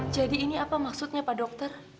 jadi ini apa maksudnya pak dokter